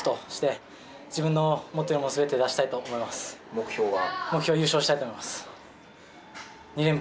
目標は？